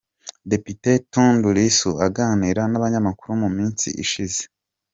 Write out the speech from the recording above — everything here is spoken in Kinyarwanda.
Depite Tundu Lisu aganira n’abanyamakuru mu minsi ishize